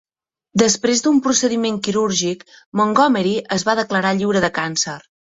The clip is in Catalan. Després d'un procediment quirúrgic, Montgomery es va declarar lliure de càncer.